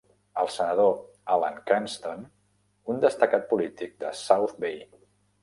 El senador Alan Cranston, un destacat polític de South Bay.